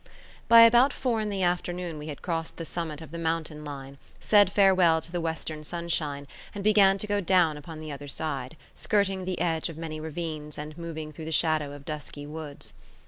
By about four in the afternoon we had crossed the summit of the mountain line, said farewell to the western sunshine, and began to go down upon the other side, skirting the edge of many ravines and moving through the shadow of dusky woods.